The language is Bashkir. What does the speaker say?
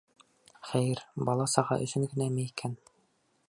Хәйер, бала-саға өсөн генәме икән?